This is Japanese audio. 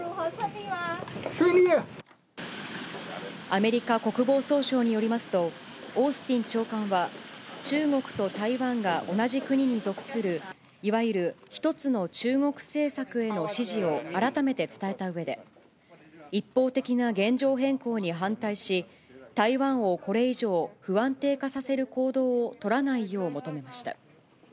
アメリカ国防総省によりますと、オースティン長官は、中国と台湾が同じ国に属する、いわゆる一つの中国政策への支持を改めて伝えたうえで、一方的な現状変更に反対し、台湾をこれ以上、不安定化させる行動を取らないよう求めました。